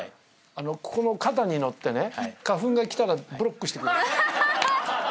ここの肩にのってね花粉が来たらブロックしてくれる。